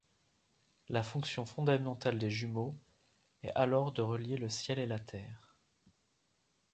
La fonction fondamentale des jumeaux est alors de relier le ciel et la terre.